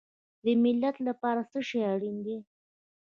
د ملت لپاره څه شی اړین دی؟